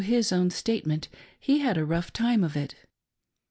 265 his own Statement he had a rough time of it.